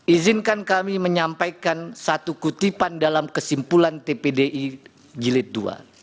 izinkan kami menyampaikan satu kutipan dalam kesimpulan tpdi jilid ii